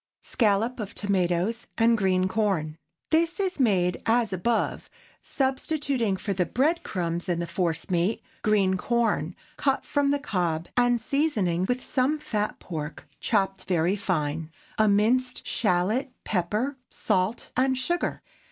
SCALLOP OF TOMATOES AND GREEN CORN. ✠ This is made as above, substituting for the bread crumbs in the force meat, green corn cut from the cob, and seasoning with some fat pork chopped very fine, a minced shallot, pepper, salt, and sugar.